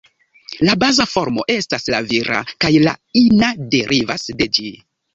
La baza formo estas la vira, kaj la ina derivas de ĝi.